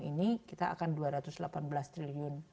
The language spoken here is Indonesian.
ini kita akan dua ratus delapan belas triliun